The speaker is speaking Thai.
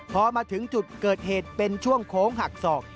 พอมาถึงจุดเกิดเหตุเป็นช่วงโค้งหักศอก